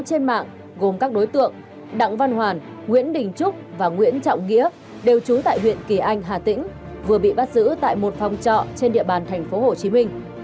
trên mạng gồm các đối tượng đặng văn hoàn nguyễn đình trúc và nguyễn trọng nghĩa đều trú tại huyện kỳ anh hà tĩnh vừa bị bắt giữ tại một phòng trọ trên địa bàn thành phố hồ chí minh